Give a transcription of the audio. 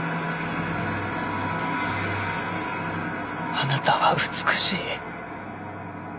あなたは美しい。